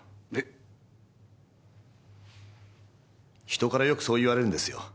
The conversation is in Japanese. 人からよくそう言われるんですよ。